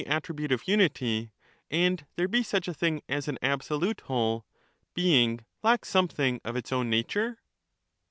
attribute of unity, and there be such a thing as an absolute whole, being lacks something of its own nature